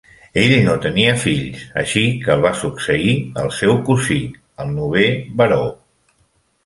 Ell no tenia fills, així que el va succeir el seu cosí, el novè baró.